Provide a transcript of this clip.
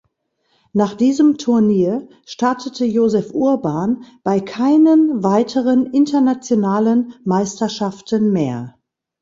Nach diesem Turnier startete Josef Urban bei keinen weiteren internationalen Meisterschaften mehr.